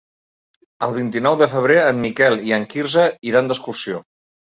El vint-i-nou de febrer en Miquel i en Quirze iran d'excursió.